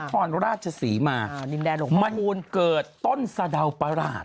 ไปอีกที่ดีกว่า